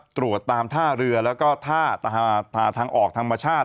ตรวจตามท่าเรือแล้วก็ท่าทางออกธรรมชาติ